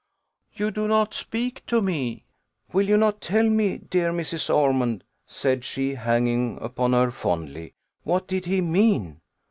"You do not speak to me! Will you not tell me, dear Mrs. Ormond," said she, hanging upon her fondly, "what did he mean?"